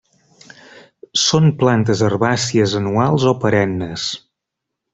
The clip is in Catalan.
Són plantes herbàcies anuals o perennes.